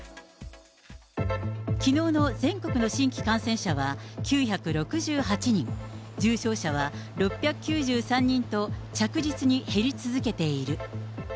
きのうの全国の新規感染者は９６８人、重症者は６９３人と、着実に減り続けている。